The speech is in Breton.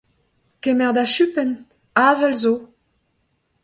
Kemer da chupenn ! Avel zo.